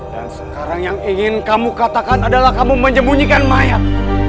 sekarang yang ingin kamu katakan adalah kamu menyembunyikan mayat